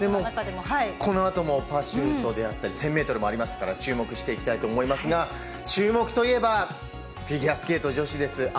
でも、このあともパシュートであったり、１０００メートルもありますから、注目していきたいと思いますが、注目といえば、フィギュアスケート女子です。